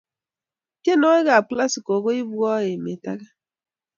tienwokik ap classical koibwa emet ake